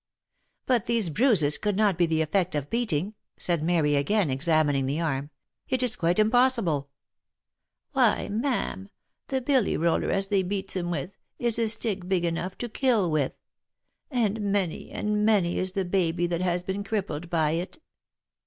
"But these bruises could not be the effect of beating," said Mary, again examining the arm, " it is quite impossible." €t Why, ma'am, the billy roller as they beats 'em with, is a stick big enough to kill with ; and many and many is the baby that has been crippled by it."